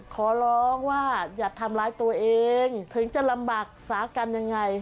ขอร้องว่าอย่าทำร้ายตัวเองถึงจะลำบากสากรรมยังไง